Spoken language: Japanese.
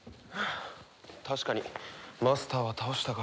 確かにマスターは倒したが。